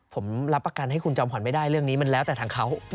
ผมรับประกันให้คุณจอมขวัญไม่ได้เรื่องนี้มันแล้วแต่ทางเขา